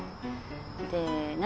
で何？